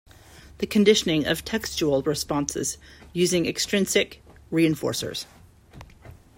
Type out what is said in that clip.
The conditioning of textual responses using 'extrinsic' reinforcers.